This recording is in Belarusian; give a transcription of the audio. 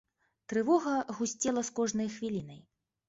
Трывога гусцела з кожнай хвілінай.